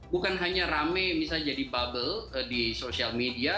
bukan hanya rame bisa jadi bubble di social media